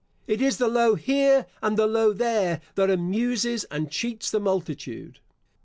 It is the lo here! and the lo there! that amuses and cheats the multitude.